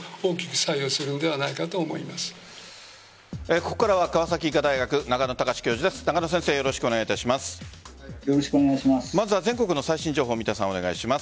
ここからは川崎医科大学中野貴司教授です。